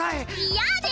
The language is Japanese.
嫌です！